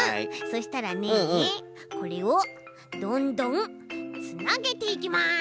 そしたらねこれをどんどんつなげていきます！